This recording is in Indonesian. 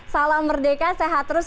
salam merdeka sehat terus